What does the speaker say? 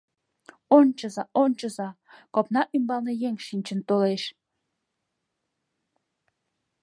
Ончыза, ончыза, копна ӱмбалне еҥ шинчын толеш!